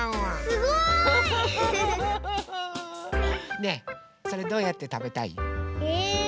すごい！ねえそれどうやってたべたい？え？